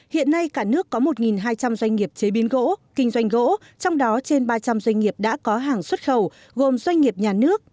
hiện nay cả nước có một hai trăm linh doanh nghiệp chế biến gỗ kinh doanh gỗ trong đó trên ba trăm linh doanh nghiệp đã có hàng xuất khẩu gồm doanh nghiệp nhà nước